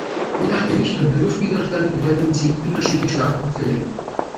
Je nach Gewicht und Luftwiderstand werden sie unterschiedlich stark ausgelenkt.